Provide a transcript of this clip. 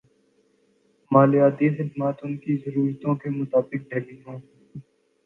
مالیاتی خدمات ان کی ضرورتوں کے مطابق ڈھلی ہوں